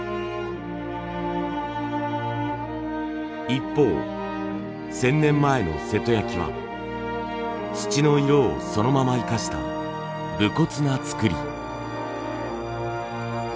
一方１，０００年前の瀬戸焼は土の色をそのまま生かした武骨な作り。